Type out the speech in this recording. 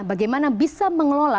bagaimana bisa mengelola